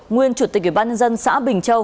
nguyên chủ tịch ubnd xã bình châu